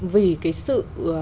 vì cái sự